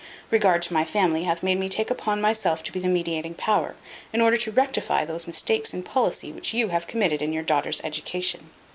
Regard to my family hath made me take upon myself to be the mediating power, in order to rectify those mistakes in policy which you have committed in your daughter's education.